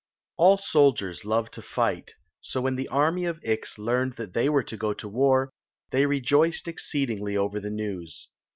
All soldiers love to fight; so when the army of Ix learned that they were to go to war, they rejoiced exceedingly over the news.